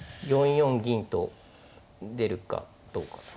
４四銀と出るかどうか。